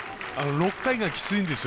６回がきついんですよ